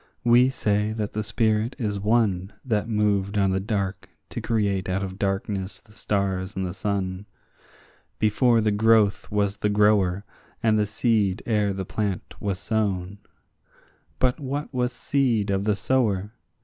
we say the spirit is one That moved on the dark to create out of darkness the stars and the sun. Before the growth was the grower, and the seed ere the plant was sown; But what was seed of the sower?